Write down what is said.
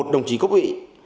một mươi một đồng chí quốc ị